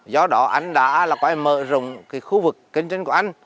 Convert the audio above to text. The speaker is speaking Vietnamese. do đó anh đã mở rộng khu vực kinh doanh của anh